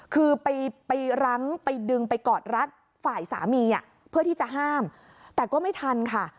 คือไปรั้งไปดึงไปกอดรัดฝ่ายสามีเพื่อที่จะห้ามแต่ก็ไม่ทันค่ะ